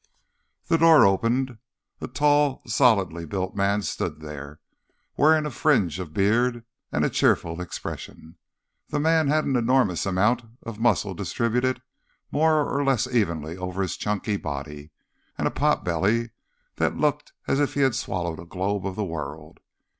The door opened. A tall, solidly built man stood there, wearing a fringe of beard and a cheerful expression. The man had an enormous amount of muscle distributed more or less evenly over his chunky body, and a pot belly that looked as if he had swallowed a globe of the world.